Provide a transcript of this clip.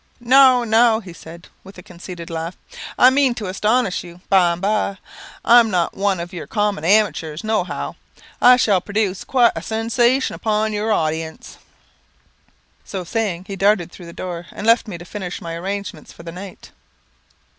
"No, no," said he, with a conceited laugh; "I mean to astonish you by and by. I'm not one of your common amateurs, no how. I shall produce quite a sensation upon your audience." So saying, he darted through the door, and left me to finish my arrangements for the night.